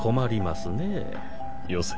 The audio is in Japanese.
よせ。